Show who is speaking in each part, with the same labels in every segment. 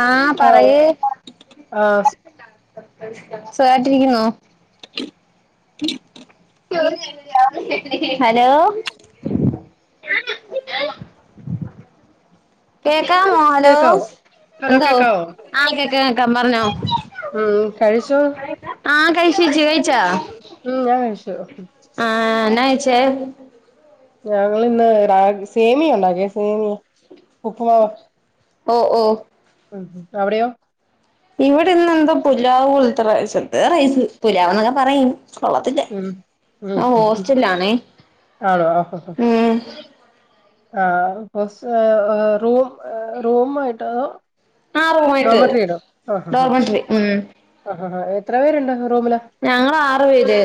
Speaker 1: ആഹ്
Speaker 2: ആ
Speaker 1: പറയ്
Speaker 2: ആ
Speaker 1: സുഖാട്ടിരിക്കുന്നൊ ഹലോ
Speaker 2: [inaudible]
Speaker 1: കേക്കാമോ ഹലോ
Speaker 2: കേക്കാവോ ഹലോ
Speaker 1: എന്തോ
Speaker 2: കേക്കാവോ
Speaker 1: ആഹ് കേക്കാം കേക്കാം പറഞ്ഞോ
Speaker 2: ഉം കഴിച്ചോ
Speaker 1: ആഹ് കഴിച്ചു ചേച്ചി കഴിച്ചാ
Speaker 2: ഉം ഞാൻ കഴിച്ചു
Speaker 1: ആഹ് ന്നാ കയിച്ചേ
Speaker 2: ഞങ്ങിന്ന് രാ സേമിയ ഉണ്ടാക്കിയേ സേമിയ ഉപ്പുമാവ്
Speaker 1: ഓഹ് ഓഹ്
Speaker 2: ഉം ഉം അവിടെയോ
Speaker 1: ഇവിടെന്ന് എന്തോ പുലാവ് പോലത്തെ റൈസ് ന്തോ റൈസ് പുലാവ ന്നൊക്കെ പറയും കൊള്ളത്തില്ല
Speaker 2: ഉം ഉം
Speaker 1: ഞാൻ
Speaker 2: ഉം ഉം.
Speaker 1: ഹോസ്റ്റല്ലാന്നെ
Speaker 2: ആണോ
Speaker 1: ഉം
Speaker 2: ആഹ് ഹോസ്റ്റ റൂ റൂം ആയിട്ടാണോ
Speaker 1: ആഹ് റൂമായിട്ട് ഡോമേട്ടറി ഉം
Speaker 2: ആഹാഹാ എത്ര പേരുണ്ട് റൂമില്
Speaker 1: ഞങ്ങളാറു പേര്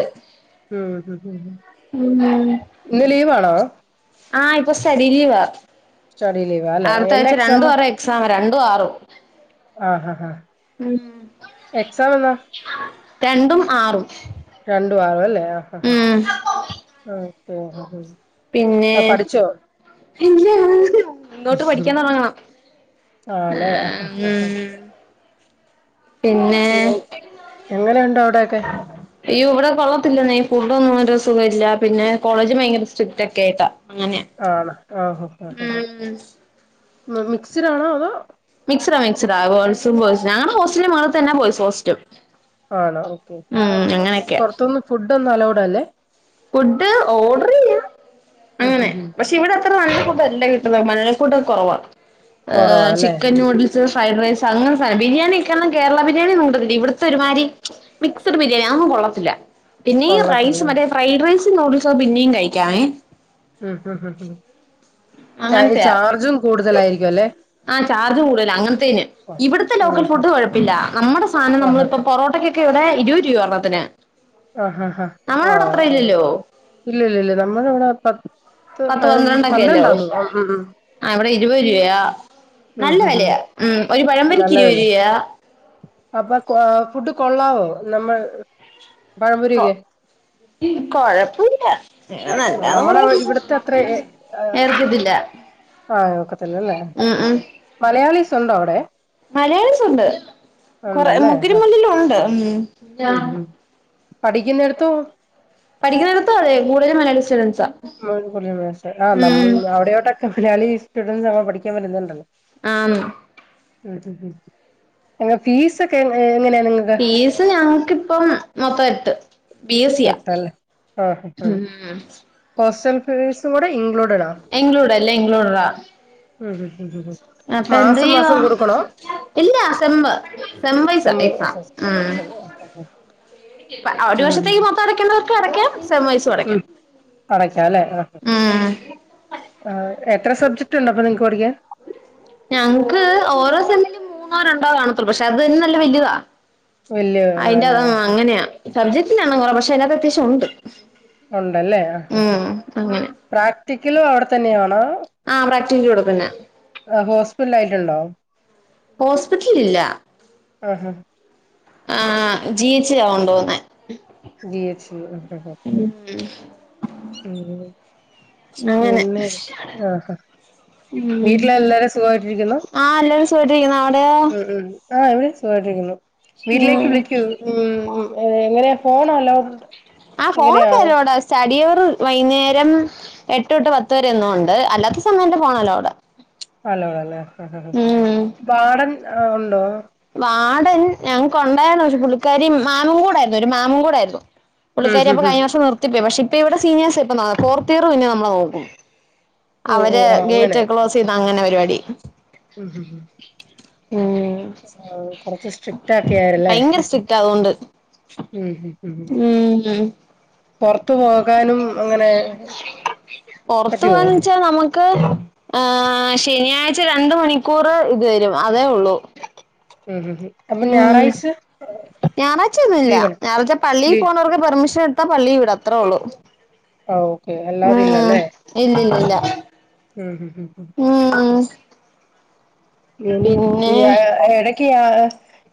Speaker 2: ഉം ഉം ഉം ഉം
Speaker 1: ഉം
Speaker 2: ഇന്ന് ലീവാണോ
Speaker 1: ആഹ് ഇപ്പൊ സ്റ്റഡി ലീവ
Speaker 2: സ്റ്റഡി ലീവാ അല്ലെ
Speaker 1: അടുത്ത
Speaker 2: എന്നാ
Speaker 1: ആഴ്ച രണ്ടും
Speaker 2: എക്സാമ്
Speaker 1: ആറും എക്സാമാ രണ്ടും ആറും
Speaker 2: ആഹാ ആഹാ ആഹാ
Speaker 1: ഉം
Speaker 2: എക്സാം എന്നാ
Speaker 1: രണ്ടും ആറും
Speaker 2: രണ്ടും ആരുംല്ലേ ആഹ് ആഹാ ആഹ്
Speaker 1: ഉം
Speaker 2: ഓക്കേ ആഹ്
Speaker 1: പിന്നെ
Speaker 2: അഹ്‌ പഠിച്ചോ
Speaker 1: ഇല്ല ഇന്നോട്ട് പഠിക്കാൻ തൊടങ്ങണം
Speaker 2: ആഹ് ലെ ആഹ് ആഹ് ആഹ്
Speaker 1: ഉം പിന്നെ
Speaker 2: [unintelligible] എങ്ങനെ ഉണ്ട് അവിടെക്കെ
Speaker 1: അയ്യോ ഇവിടെ കൊള്ളത്തില്ലന്നെ ഇഫുഡോന്നും ഒരു സുഖല്ല പിന്നെ കോളേജും ഭയങ്കര സ്ട്രിക്ട് ഒക്കെ ആയിട്ടാ അങ്ങനെയാ
Speaker 2: ആണോ ഓഹോ ആഹ് ആഹ്
Speaker 1: ഉം
Speaker 2: മ് മിക്സിടാണോ അതോ
Speaker 1: മിക്സഡാ മിക്ഡസ ഗേൾസും ബോയ്സും ഞങ്ങടെ ഹോസ്റ്റലിന്റെ മേളെ തന്നെയാ ബോയ്സ് ഹോസ്റ്റും
Speaker 2: ആണോ ഓക്കെ ഓക്കെ
Speaker 1: അങ്ങനെയൊക്കെയാ
Speaker 2: പൊറത്തുന്ന് ഫുഡ്‌ടൊന്നും അലോഡ് അല്ലേ
Speaker 1: ഫുഡ് ഓഡർ ചെയ്യാം
Speaker 2: ഉം
Speaker 1: അങ്ങനെ
Speaker 2: ഉം ഉം
Speaker 1: പ ക്ഷെ ഇവിടെ അത്ര നല്ല ഫുഡല്ല കിട്ടുന്നെ മലളി ഫുടൊക്കെ കൊറവാ
Speaker 2: കൊറവാ
Speaker 1: ഏഹ്
Speaker 2: അല്ലേ
Speaker 1: ചിക്കൻ നൂഡിൽസ് സ് ഫ്രൈഡ് റൈസ് അങ്ങനത്തെ സാനം ബിരിയാണിയൊക്കെ പറഞ്ഞ കേരള ബിരിയാണിയൊന്നും കിട്ടത്തില്ല ഇവിടത്തെ ഒരുമാരി മിക്സഡ് ബിരിയാണി അതൊന്നും കൊള്ളത്തില്ല പിന്നെയി
Speaker 2: കൊള്ളത്തില്ല
Speaker 1: റൈസ് മറ്റേ ഫ്രൈഡ് റൈസും നൂഡിൽസൊക്കെ പിന്നെയും കഴിക്കാമേ
Speaker 2: ഉം ഉം ഉം ഉം അയി
Speaker 1: അങ്ങനത്തെയാ
Speaker 2: ചാർജും കൂടുതലായിരിക്കും അല്ലേ
Speaker 1: ആഹ് ചാർജ് കൂട്തല അങ്ങനത്തേന് ഇവിടുത്തെ
Speaker 2: ഉം
Speaker 1: ലോക്കൽ
Speaker 2: ഉം.
Speaker 1: ഫുഡ് കുഴപ്പില്ല നമ്മടെ സാനം
Speaker 2: ആഹാ
Speaker 1: നമ്മളിപ്പം പൊറോട്ടയ്ക്കൊക്കെ ഇവിടെ ഇരുപത് രൂപ ഒരെണ്ണത്തിന്
Speaker 2: ആഹാഹാ
Speaker 1: നമ്മളവിടെ അത്ര
Speaker 2: ആഹ്
Speaker 1: ഇല്ലല്ലോ
Speaker 2: [unintelligible] ഇല്ല ഇല്ല ഇല്ല നമ്മളെ ഇവിടെ പ
Speaker 1: പത്ത് പന്ത്രണ്ടൊക്കെയല്ലേയാവു
Speaker 2: ഉം
Speaker 1: ആഹ് ഇവിടെ ഇരുപത് രൂപയാ
Speaker 2: ഉം ഉം
Speaker 1: നല്ല
Speaker 2: ഉം ഉം
Speaker 1: വെലയാ ഉം ഒരു
Speaker 2: ആ,
Speaker 1: പഴമ്പൊരിക്ക്
Speaker 2: നല്ല
Speaker 1: ഇരുപത്
Speaker 2: വില
Speaker 1: രൂപയാ
Speaker 2: അപ്പൊ കോ ഫുഡ് കൊള്ളാവോ? നമ്മൾ
Speaker 1: കൊ
Speaker 2: പഴമ്പൊരിയൊക്കെ?
Speaker 1: കൊഴപ്പുല്ല പിന്നെ നല്ലാന്ന്
Speaker 2: നമ്മള
Speaker 1: പറയാം
Speaker 2: ഇവിടത്തെ
Speaker 1: ഉം എനിക് തില്ല
Speaker 2: ആഹ് ഒക്കത്തില്ലല്ലേ ഓകെ മലയാളിസ് ഉണ്ടോ അവിടെ?
Speaker 1: മലയാളിസുണ്ട്. കൊറെ
Speaker 2: ഉണ്ടല്ലേ ആ
Speaker 1: മുക്കിലും മൂലിലും ഉണ്ട് ഉും യാഹ്
Speaker 2: പഠിക്കുന്നട്ത്തും
Speaker 1: പഠിക്കുന്നട്ത്തും അതെ മലയാളി സ്റ്റുഡൻസ്സാ
Speaker 2: മം മലയാളിസ് ആഹ് നന്മള് അവിടെയോട്ടൊക്കെ മലയാളി സ്റ്റുഡന്റ്സ് നമ്മൾ പഠിക്കാൻ വുന്നണ്ടല്ലോ?
Speaker 1: ആണ്
Speaker 2: ഫിസ് ഒക്കെ എങ്ങിനെ എങ്ങനെയാ നിങ്ങൾക്?
Speaker 1: പീസ് ഞങ്ങൾക്ക് ഇപ്പൊ മൊത്തം യെട്ട് ബിഎസ്സിയാ
Speaker 2: എട്ടല്ലേ ആ ഹോസ്റ്റൽ ഫീസ്കൂടെ ഇൻക്ലൂഡ്
Speaker 1: ഇൻക്ലൂഡ് അല്ലേ ഇൻക്ലൂഡ്ആ
Speaker 2: ഉം ഉം ഉം
Speaker 1: അപ്പൊ എന്ത്
Speaker 2: മാസം മാസം
Speaker 1: ചെയ്യുവാ?
Speaker 2: കൊടുക്കണോ
Speaker 1: ഇല്ല സമ്മ്
Speaker 2: സെമ്മ്
Speaker 1: [unintelligible] ഒരു
Speaker 2: ഉം
Speaker 1: വർഷത്തേക്ക് മൊത്തം നടക്കേണ്ടവർക്ക് അടക്കാം സബ് ബേസ് അടയ്ക്കാം
Speaker 2: അടക്കല്ലേ?
Speaker 1: ഉം
Speaker 2: ആഹ് എത്ര സബ്ജറ്റ് ഉണ്ട് അപ്പൊ നിങ്ങക്ക് പഠിക്കാൻ?
Speaker 1: ഞക്ക് ഓരോ സമ്മിലും മൂന്നോ രണ്ടോ കാണത്തുള്ളൂ പക്ഷെ അത് തന്നെ നല്ല വല്ല്യതാ
Speaker 2: വല്യ
Speaker 1: അതിന്റെ അത്
Speaker 2: ഇതാല്ലേ
Speaker 1: അങ്ങനെയാ സബ്ജക്ട് ആണ് കുറവ് പക്ഷെ അതിനകത്ത് അത്യാവശ്യം ഉണ്ട്
Speaker 2: ഉണ്ടല്ലേ ആഹ് ആഹ്
Speaker 1: ഉം അങ്ങനെ
Speaker 2: പ്രാക്ടിക്കലും അവിടെ തന്നെയാണോ?
Speaker 1: ആഹ് പ്രാക്ടിൻ്റെ കുടതന്നെ
Speaker 2: ആഹ് ഹോസ്പിറ്റ്ല് ആയിട്ടുണ്ടോ?
Speaker 1: ഹോസ്പിറ്റ്ലിൽ ഇല്ല
Speaker 2: ആഹ് ഹ്
Speaker 1: ആഹ് ജീഎച്ചിലാ കൊണ്ടോന്നേ
Speaker 2: ജി എച് ല് [unintelligible]
Speaker 1: അങ്ങനെ
Speaker 2: പിന്നെ ആഹ് ഹാ വീട്ടിൽ എല്ലാരും സുഖമായിട്ടിരിക്കുന്നോ?
Speaker 1: ആഹ് എല്ലാവരും സുഖമായിട്ടിരിക്കുന്നു. അവിടെ?
Speaker 2: ഉും ആഹ് ഇവിടെ സുഖായിട്ടിരിക്കുന്നു. വീട്ടിലേക്ക് വിളിക്കൂ ഉും എങ്ങനെയാ ഫോൺ അലൗഡ് എങ്ങനെയാ?
Speaker 1: സ്റ്റടിയവർ വൈകുന്നേരം എട്ട് തൊട്ട് പത്ത് വരെ ഒന്നും ഉണ്ട് അല്ലാത്ത സമയം എന്റെ ഫോണെന്റെ അലൗഡ്
Speaker 2: അലൗഡ് അല്ലെ ആ വാടൻ ആ ഉണ്ടോ?
Speaker 1: വാടൻ ഞങ്ങക്ക് ഉണ്ടായിരുന്നു പക്ഷേ പുള്ളിക്കാരി മാമു കൂടായിരുന്നു ഒരു മാമു കൂടായിരുന്നു.
Speaker 2: ഉം
Speaker 1: പുള്ളിക്കാരി
Speaker 2: ഉം
Speaker 1: അപ്പൊ
Speaker 2: ഉം
Speaker 1: കഴിഞ്ഞ വർഷം നിർത്തി പോയി. പക്ഷെ ഇപ്പൊ ഇവിടെ സീനിയേഴ്സ് ഇപ്പ ഫോർത്ത് ഇയർ പിന്നെ നമ്മൾ നോക്കും.
Speaker 2: ഓ ഓ
Speaker 1: അവര്
Speaker 2: ആഹ് അങ്ങനെ
Speaker 1: ഗേറ്റ് ക്ലോസ് ചെയ്ത അങ്ങനെ പരിപാടി
Speaker 2: ഉം ഹും
Speaker 1: ഉും
Speaker 2: ആഹ് കൊറച്ച് സ്ട്രിക്ട് ആക്കി അല്ലേ
Speaker 1: ഭയങ്കര സ്ട്രിക്റ്റ് അതുകൊണ്ട്
Speaker 2: ഉം ഹും ഹു
Speaker 1: ഉം
Speaker 2: പുറത്തു പോകാനും അങ്ങനെ പറ്റുവോ?
Speaker 1: ക്ഷെ നമുക്ക് ആഹാ ശനിയാഴ്ച രണ്ട് മണിക്കൂർ ഇത് വരും അതേ ഉള്ളൂ.
Speaker 2: ഹും ഹും ഹും
Speaker 1: ഉം ഞായറാ്ച ഒന്നുമില്ല.
Speaker 2: ലീവാണ്
Speaker 1: രാവിൽത്തെ പള്ളിയിൽ
Speaker 2: ലീ
Speaker 1: പോണവർക്ക് പെർമിഷൻ എട്ത്താ പള്ളി വീടും അത്രേ ഉള്ളൂ.
Speaker 2: ആഹ് ഓക്കെ അല്ലാതെ ഇല്ലല്ലേ
Speaker 1: ഇല്ല ല്ല ല്ല
Speaker 2: ഉം ഉം ഉം
Speaker 1: ഉം
Speaker 2: പിന്നെ ഇടക്ക് ആ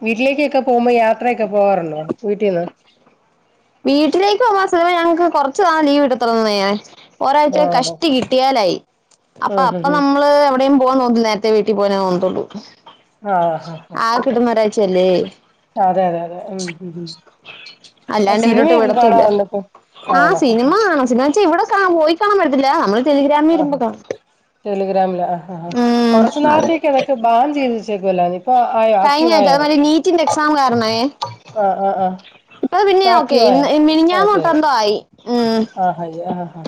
Speaker 2: വീട്ടിലേക്കൊക്കെ പോകുമ്പോ ഞാ ത്രയൊക്കെ പോവാറുണ്ടോ വീട്ടീന്ന്
Speaker 1: വീട്ടിലേക്ക് പോവാ ചിലപ്പോ ഞങ്ങൾക്ക് കുറച്ച് നാൾ ലീവ്കിട്ടത്തൊള്ളന്നെ. ഒരാഴ്ച
Speaker 2: ആണോ
Speaker 1: കഷ്ടി കിട്ടിയാലായി അപ്പൊ
Speaker 2: ഉം ഉം
Speaker 1: അപ്പൊ
Speaker 2: ഉം
Speaker 1: നമ്മള് എവിടെയും പോവാ നോക്കുന്നെ ന്റെ വീട്ടിപോവാനെ തോന്നുതുള്ളൂ
Speaker 2: ആഹ് ആഹ്
Speaker 1: കിട്ടുന്ന ഒരാഴ്ച്ചല്ലേ
Speaker 2: ട്ടതെ അതെ അതെ ഉം ഉം ഉം ആഹ്
Speaker 1: അല്ലാണ്ട് ഇവരൊട്ട്
Speaker 2: സിനിമയൊക്കെ
Speaker 1: വിടത്തൂല
Speaker 2: കാണാറുണ്ടോ ഇപ്പൊ
Speaker 1: ആഹ്
Speaker 2: ആണോ
Speaker 1: സിനിമ കാണും സിനിമച്ചാ ഇവിടെ ക്കാ പോയി കാണാൻ പറ്റത്തില്ല നമ്മള് ടെലിഗ്രാമിൽ
Speaker 2: ആഹ്
Speaker 1: വരുമ്പോ കാണും
Speaker 2: ടെലിഗ്രാമില് ആഹ് ആഹ്
Speaker 1: ഉം
Speaker 2: കൊറച്ചു
Speaker 1: അതെ
Speaker 2: നാളത്തേക്ക് അതൊക്കെ ബാൻ ചെയ്ത്ച്ചേക്കുല്ലായിരുന്നോ ഇപ്പൊ ആയോ
Speaker 1: കഴിഞ്ഞ
Speaker 2: ആക്റ്റീവ്
Speaker 1: ക്ക
Speaker 2: ആയോ
Speaker 1: അതെമാരി നീറ്റിന്റെ എക്സാം കാരണയെ
Speaker 2: ആഹ് ആഹ് ആഹ്
Speaker 1: ഇപ്പൊ പിന്നെ ഓക്കെ
Speaker 2: ആക്റ്റീവ്
Speaker 1: ആയി
Speaker 2: ആയോ
Speaker 1: ഇന്ന്
Speaker 2: ഓക്കെ
Speaker 1: മിനിഞ്ഞാനൂട്ടെന്തോആയി ഉം
Speaker 2: ആഹ് ഹയ്യ ആഹ് ഹാ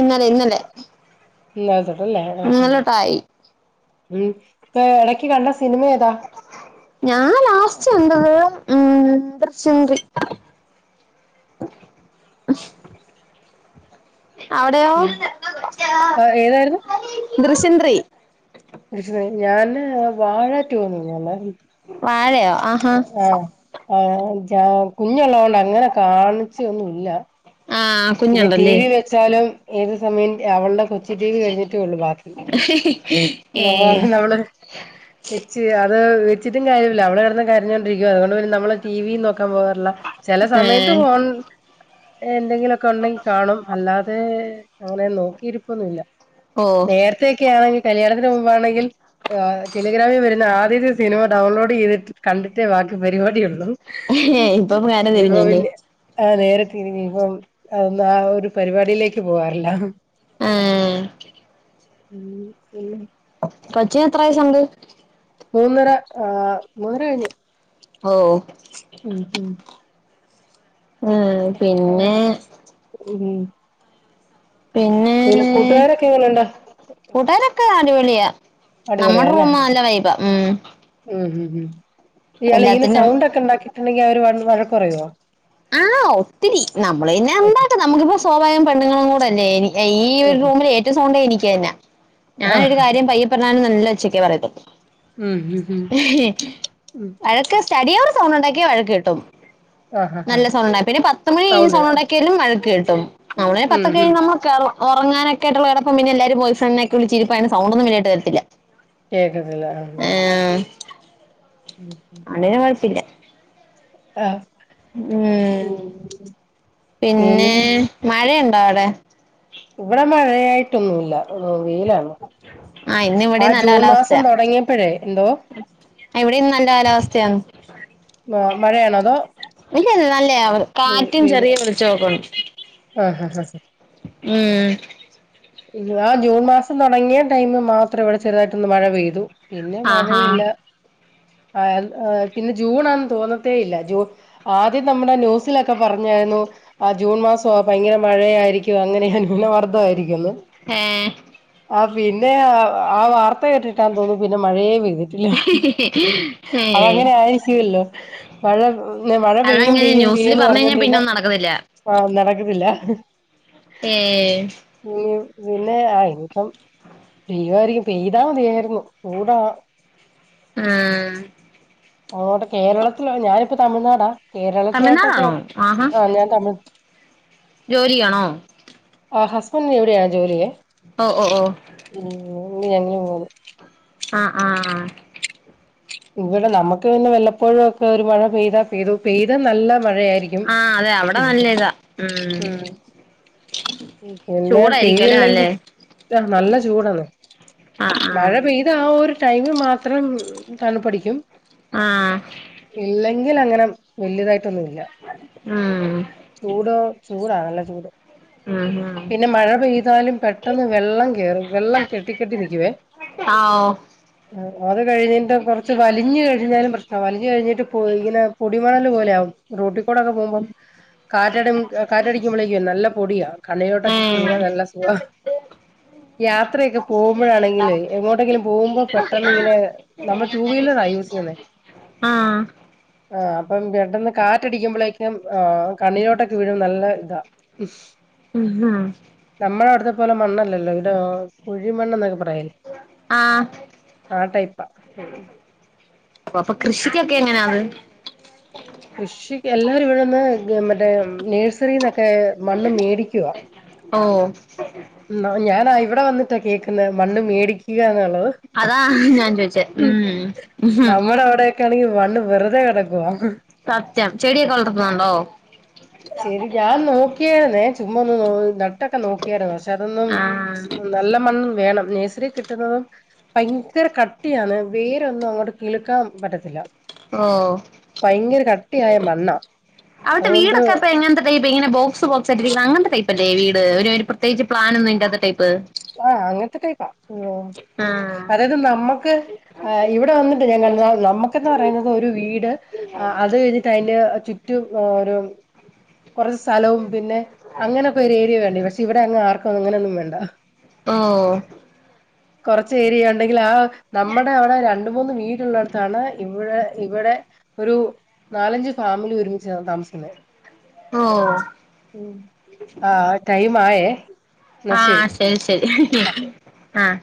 Speaker 1: ഇന്നലെ ഇന്നലെ
Speaker 2: ഇല്ലാതെ [unintelligible] ഉം
Speaker 1: ഇന്നലെ തൊട്ടായി
Speaker 2: ഉം ഇപ്പ ഇടക്ക് കണ്ട സിനിമ ഏതാ
Speaker 1: ഞാൻ ലാസ്റ്റ് കണ്ടത് ഉം ദൃശ്യം ത്രീ അവിടെയോ
Speaker 2: ഉം ആഹ് ഏതായിരുന്നു
Speaker 1: ദൃശ്യം ത്രീ
Speaker 2: [unintelligible] ഞാന് വാഴാറ്റോന്നീ [unintelligible]
Speaker 1: വാഴയോ ആഹാ
Speaker 2: ആഹ് ആഹ് ജാ കുഞ്ഞുള്ളത് കൊണ്ട് അങ്ങനെ കാണിച്ചെന്നുല്ല
Speaker 1: ആഹ്
Speaker 2: പിന്നെ ടി
Speaker 1: കുഞ്ഞുണ്ടല്ലേ
Speaker 2: വി വെച്ചാലും ഏത് സമയം അവൾടെ കൊച്ചിടീവി കഴിഞ്ഞിട്ടേ ഉള്ളു ബാക്കി
Speaker 1: ഏഹ്
Speaker 2: [unintelligible] വെച്ച് അത് വെച്ചിട്ടും കാര്യല്ല അവള് കിടന്ന് കരഞ്ഞൊണ്ടിരിക്കുവ അതുകൊണ്ട്പിന്ന നമ്മള് ടി വി നോക്കാൻ പോകാറില്ല ചില സമയത്ത്
Speaker 1: ഏഹ്
Speaker 2: ഫോൺ എന്തെങ്കിലുക്കെ ഉണ്ടെങ്കി കാണും അല്ലാതെ അങ്ങനെ നോക്കിയിരിപ്പൊന്നുല്ല
Speaker 1: ഓഹ്
Speaker 2: നേര തെക്കെആണെങ്കിൽ കല്യാണത്തിന് മുമ്പാണെങ്കിൽ ആഹ് ടെലിഗ്രാമിൽ വരുന്ന ആദ്യത്തെ സിനിമ ഡൗൺലോഡ് ചെയ്തിട്ട് കണ്ടിട്ടേ ബാക്കി പരിപാടിയുള്ളൂ
Speaker 1: ഏഹ് ഇപ്പം കാര്യം
Speaker 2: [unintelligible]
Speaker 1: തിരിഞ്ഞല്ലേ
Speaker 2: ആഹ് നേരെത്തെ ഇനി ഇപ്പം അഒന്ന് ആ ഒരു പരിപാടിയിലേക്ക് പോവാറില്ല
Speaker 1: ആഹ്
Speaker 2: ഉം പിന്നെ
Speaker 1: കൊച്ചിന് എത്ര വയസ്സുണ്ട്
Speaker 2: മൂന്നര ആഹ് മൂന്നര കഴിഞ്ഞ്
Speaker 1: ഓഹ്
Speaker 2: ഉം ഉം
Speaker 1: ആഹ്
Speaker 2: ആ
Speaker 1: പിന്നെ
Speaker 2: [unintelligible]
Speaker 1: പിന്നെ
Speaker 2: പിന്ന കൂട്ടുകാരൊക്കെ എങ്ങനെയുണ്ട്
Speaker 1: കൂട്ടാരൊക്കെ അടിപൊളിയാ നമ്മുടെ
Speaker 2: അടിപൊളിയല്ലേ
Speaker 1: റൂം നല്ല വൈബാ ഉം
Speaker 2: ഉം ഉം ഉം ഇയാളിങ്ങനെ സൗണ്ട് ഒക്കെ ഉണ്ടാക്കി ണ്ടെങ്കി അവര് വന്ന്
Speaker 1: ആഹ് ഒത്തിരി നമ്മള് പിന്നെ എന്താട്ട നമുക്കിപ്പോ സ്വഭാവം പെണ്ണുങ്ങളും കൂടെ അല്ലേനി ഈ
Speaker 2: ഉം
Speaker 1: ഒരു
Speaker 2: ഉം ഉം
Speaker 1: റൂമില് ഏറ്റവുംസൗണ്ട് എനിക്ക്ന്നാ
Speaker 2: ആ
Speaker 1: ഞാനൊരു കാര്യം പയ്യ പറഞ്ഞാലും നല്ല ഒച്ചക്കെ പറയത്തൊള്ളൂ
Speaker 2: ഉം ഉം ഉം ഉം
Speaker 1: വഴക്ക് സ്റ്റഡി ഹോളി സൗണ്ട് ഉണ്ടാക്കിയ വഴക്ക് കിട്ടും
Speaker 2: ആ ഹാ ഹാ
Speaker 1: നല്ല സൗണ്ട പിന്നെ പത്ത് മണി കഴിഞ്ഞ്
Speaker 2: സൗണ്ട്
Speaker 1: സൗണ്ടുണ്ടാക്കിയാലും വഴക്ക് കിട്ടും നമ്മള്ന്നെ
Speaker 2: ഉം
Speaker 1: പത്തൊക്ക
Speaker 2: ഉം
Speaker 1: കഴിഞ്ഞ നമ്മ ക്ക ഉറങ്ങാനക്കെട്ടുള്ള ഇടപ്പ പിന്നെ എല്ലാരും ബോയ്ഫ്രണ്ടിനെക്കെ വിളിച്ചിരിപ്പായിരുന്നു സൗണ്ട്ന്നുംല്ലിയട്ട് വരുത്തില്ല
Speaker 2: കേക്കത്തില്ല ആഹ്
Speaker 1: ആഹ്
Speaker 2: ഉം ഉം
Speaker 1: അങ്ങനെ കൊഴപ്പില്ല ഉം പിന്നെ മഴയുണ്ടോ അവിടെ
Speaker 2: ഇവിടെ മഴയായിട്ടൊന്നുല്ല വെയിലാണ്
Speaker 1: ഇന്ന്
Speaker 2: ആ
Speaker 1: ഇവിടെയും നല്ല
Speaker 2: ജൂൺ മാസം
Speaker 1: കാലാവസ്ഥയാ
Speaker 2: തുടങ്ങിയപ്പോഴേ എന്തോ
Speaker 1: ഇവിടെ ഇന്ന് നല്ല കാലാവസ്ഥയാണ്
Speaker 2: മഴയാണോ അതോ
Speaker 1: ഇല്ല ഇല്ല നല്ലയ കാറ്റും
Speaker 2: വെയില്
Speaker 1: ചെറിയ വെളിച്ചൊക്കണ്ട്
Speaker 2: ആഹ് ഹഹഹ
Speaker 1: ഉം
Speaker 2: ആ ജൂൺ മാസം തുടങ്ങിയ ടൈമ് മാത്രം ഇവിടെ ചെറുതായിട്ടൊന്ന് മഴ പെയ്തു പിന്നെ
Speaker 1: ആഹാ
Speaker 2: മഴയില്ല പിന്നെ ജൂണാന്ന് തോന്നത്തേ ഇല്ല ജൂ ആദ്യം നമ്മുടെ ന്യൂസിലൊക്കെ പറഞ്ഞായിരുന്നു ആഹ് ജൂൺ മാസവ ഭയങ്കര മഴയായിരിക്കും അങ്ങനെ നൂനമർദ്ദമായിരിക്കുന്ന്
Speaker 1: ഏഹ്
Speaker 2: ആഹ് പിന്നെ ആ വാർത്ത കേട്ട് കിട്ടാൻ തോന്നുന്നു പിന്നെ മഴയെ പെയ്തിട്ടില്ല
Speaker 1: ഏ
Speaker 2: അതങ്ങനെ ആയിരിക്കുവല്ലോ മഴ മഴ പെയ്യും
Speaker 1: അതങ്ങനെ
Speaker 2: പെയ്യും
Speaker 1: ന്യൂസില്
Speaker 2: പെയ്യൂന്ന്
Speaker 1: പറഞ്ഞു കഴിഞ്ഞാ പിന്നെ
Speaker 2: പറഞ്ഞണ്ടിരിന്ന
Speaker 1: ഒന്നും നടക്കത്തില്ല
Speaker 2: ആഹ് നടക്കത്തില്ല
Speaker 1: ഏഹ്
Speaker 2: [unintelligible] പിന്നെ ആ ഇനിപ്പം പെയ്യുമായിരിക്കും പെയ്താൽ മതിയായിരുന്നു ചൂടാ
Speaker 1: ആഹ്
Speaker 2: അങ്ങോട്ട് കേരളത്തില് ഞാനിപ്പോ തമിഴ്നാടാ കേരളത്തിലോട്ടൊക്കെ
Speaker 1: തമിഴ്നാടാണോ
Speaker 2: ആ ഞാൻ തമിഴ്
Speaker 1: ജോലിയണോ
Speaker 2: ആഹ് ഹസ്ബൻഡിന് ഇവിടെയാണ് ജോലിയെ
Speaker 1: ഓഹ് ഓഹ് ഓഹ്
Speaker 2: ഉം [unintelligible] പോവും
Speaker 1: ആഹ് ആഹ്
Speaker 2: ഇവിടെ നമുക്ക് പിന്നെ വല്ലപ്പോഴും ഒക്കെ ഒരു മഴ പെയ്താ പെയ്തു പെയ്ത നല്ല മഴയായിരിക്കും
Speaker 1: ആ അതെ അവിടെ നല്ല ഇതാ ഉം
Speaker 2: പിന്നെ
Speaker 1: ചൂടായിരിക്കും അല്ലേ നല്ലേ
Speaker 2: പെയ്തില്ലെങ്കിൽ ത നല്ല ചൂടാണ്
Speaker 1: ആ ആ
Speaker 2: മഴ പെയ് ആ ഒരു ടൈമി മാത്രം തണുപ്പടിക്കും
Speaker 1: ആഹ്
Speaker 2: ഇല്ലെങ്കിൽ അങ്ങനെ വല്ല്യതായിട്ടൊന്നും ഇല്ല
Speaker 1: ആഹ്
Speaker 2: ചൂടോ ചൂടാ നല്ല ചൂട്
Speaker 1: ഉം ഹും
Speaker 2: പിന്നെ മഴ പെയ്താലും പെട്ടെന്ന് വെള്ളം കേറും വെള്ളം കെട്ടി കെട്ടി നിക്കുവേ
Speaker 1: ആഹ് ഓ
Speaker 2: അത് കഴിഞ്ഞിട്ടു കൊറച്ച് വലിഞ്ഞ് കഴി വലിഞ്ഞാലും പ്രശ്നാ വലിഞ്ഞു കഴിഞ്ഞിട്ട് പൊ ഇങ്ങനെ പൊടിമണല് പോലെയാകും റോട്ടിക്കൂടൊക്കെ പോമ്പം കാറ്റടി കാറ്റടിക്കുമ്പളെക്കും നല്ല പൊടിയാ കണ്ണിലോട്ടൊക്കെ വീണാ നല്ല സുഖാ യാത്രയൊക്കെ പോകുമ്പോഴാണെങ്കിലെ എങ്ങോട്ടെങ്കിലും പോകുമ്പോ പെട്ടന്ന് ഇങ്ങനെ നമ്മൾ ടു വീലറാ യൂസ് ചെയ്യുന്നേ
Speaker 1: ആഹ്
Speaker 2: ആഹ് അപ്പം പെട്ടന്ന് കാറ്റടിക്കുമ്പോഴേക്കും ആ കണ്ണിലോട്ടൊക്കെ വീഴും നല്ല ഇതാ
Speaker 1: ഉം
Speaker 2: നമ്മുടെ അവിടുത്തെ പോലെ മണ്ണല്ലല്ലോ ഇവിടെ കുഴിമണ്ണ് എന്നൊക്കെ പറയല്
Speaker 1: ആഹ്
Speaker 2: ആ ടൈപ്പാ ഉം
Speaker 1: അപ്പൊ കൃഷിക്കൊക്കെ എങ്ങനാത്?
Speaker 2: കൃഷിക്ക് എല്ലാവരും ഇവിടെന്ന് മറ്റേ നേഴ്സറിന്നൊക്കെ മണ്ണ് മേടിക്കുവാ
Speaker 1: ഓഹ്
Speaker 2: ന്നാ ഞാനാ ഇവിടെ വന്നിട്ടാ കേക്കുന്നെ മണ്ണ് മേടിക്കുകന്നുള്ളത്
Speaker 1: അതാ ഞാൻ ചോയിച്ചേ ഉം ഉം
Speaker 2: ക്കാണെങ്കി വണ്ണ് വെറുതെ കിടക്കുവാ
Speaker 1: സത്യം ചെടിയൊക്കെ വളർത്തുന്നുണ്ടോ?
Speaker 2: ശെരി ഞാൻ നോക്കിയായിരുന്നേ ചുമ്മാ ഒന്ന് നട്ടൊക്കെ നോക്കിയായിരുന്നു പക്ഷെ അതൊന്നും
Speaker 1: ആഹ്
Speaker 2: നല്ല മണ്ണ് വേണം നഴ്സറി കിട്ടുന്നതും ഭയങ്കര കട്ടിയാണ് വേരൊന്നും അങ്ങോട്ട് കിളിക്കാൻ പറ്റത്തില്ല
Speaker 1: ഓ
Speaker 2: ഭയങ്കര കട്ടിയായ മണ്ണാ
Speaker 1: അവിടത്തെ
Speaker 2: അതുകൊണ്ട്
Speaker 1: വീടൊക്കെപ്പ എങ്ങൻത്തെ ടൈപ്പ് ഇങ്ങനെ ബോക്സ് ബോക്സായിട്ട് ഇരിക്കുന്ന അങ്ങനത്തെ ടൈപ്പല്ലേ വീട് ഒര് ഒര് പ്രത്യേകിച്ച് പ്ലാൻ ഒന്നും ഇല്ലാത്ത ടൈപ്പ്
Speaker 2: ആഹ് അങ്ങന് ത്തെ ടൈപ്പാ യോ
Speaker 1: ആഹ്
Speaker 2: അതായത് നമ്മുക്ക് ആ ഇവിടെ വന്നിട്ടാ ഞാ കാണുന്നെ ആ നമ്മുക്കന്ന് പറയുന്നത് ഒരു വീട് അ അത് കഴിഞ്ഞിട്ട് അയിന്റെ ചുറ്റും ഒരു കുറച്ച് സ്ഥലവും പിന്നെ അങ്ങനൊക്കെ ഒരു ഏരിയ വേണ്ടേ പക്ഷെ ഇവിടെ അങ്ങ് ആർക്കും അങ്ങനെ ഒന്നും വേണ്ട
Speaker 1: ഓഹ്
Speaker 2: കൊറച്ച് ഏരിയ ഉണ്ടെങ്കിൽ ആ നമ്മുടെ അവിടെ രണ്ട് മൂന്ന് വീടുള്ളടത്താണ് ഇവിടെ ഇവിടെ ഒരു നാലഞ്ച് ഫാമിലി ഒരുമിച്ചാ താമസിക്കുന്നെ
Speaker 1: ഓഹ്
Speaker 2: ആഹ് ടൈം ആയെ എന്നാ ശരി
Speaker 1: അഹ് ശരി
Speaker 2: ഓക്കെ
Speaker 1: ആഹ്